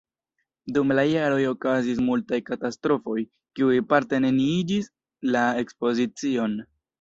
Dum la jaroj okazis multaj katastrofoj, kiuj parte neniigis la ekspozicion.